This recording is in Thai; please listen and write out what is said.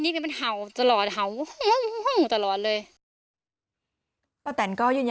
พ่อแบมนี่แหละ